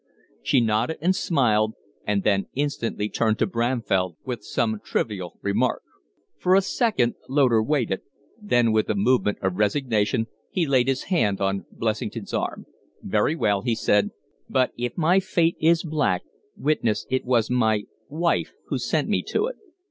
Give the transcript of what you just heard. She nodded and smiled, then instantly turned to Bramfell with some trivial remark. For a second Loder waited, then with a movement of resignation he laid his hand on Blessington's arm. "Very well!" he said. "But if my fate is black, witness it was my wife who sent me to it."